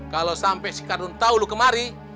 kalau sampai si kadun tahu lo kemari